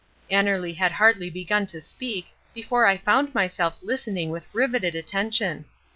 Annerly had hardly begun to speak before I found myself listening with riveted attention.